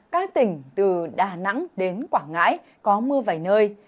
các tỉnh từ đà nẵng đến quảng ngãi có mưa vài nơi